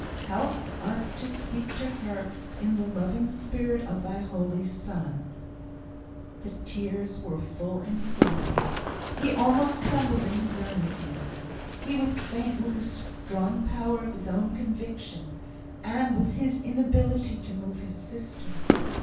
Help us to speak to her in the loving spirit of thy Holy Son!" The tears were full in his eyes; he almost trembled in his earnestness. He was faint with the strong power of his own conviction, and with his inability to move his sister.